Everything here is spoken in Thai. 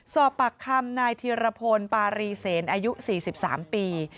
สอบปากคำนายธีรพลปารีเสนอายุ๔๓ปี